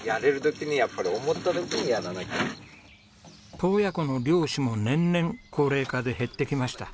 洞爺湖の漁師も年々高齢化で減ってきました。